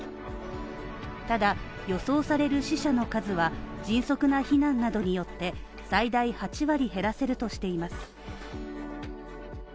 ただ、予想される死者の数は、迅速な避難などによって、最大８割減らせるとしています。